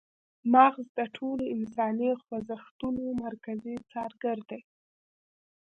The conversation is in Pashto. مغزه د ټولو انساني خوځښتونو مرکزي څارګر دي